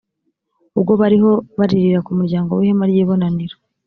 ubwo bariho baririra ku muryango w’ihema ry’ibonaniro.